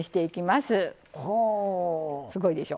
すごいでしょ。